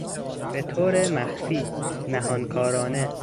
به طور مخفی، نهانکارانه